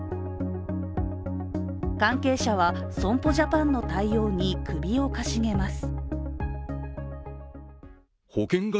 関係者は、損保ジャパンの対応に首をかしげます。